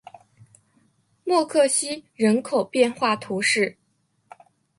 默克西人口变化图示